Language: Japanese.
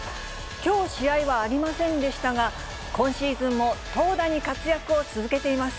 きょう、試合はありませんでしたが、今シーズンも投打に活躍を続けています。